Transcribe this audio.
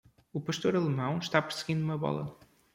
O pastor alemão está perseguindo uma bola.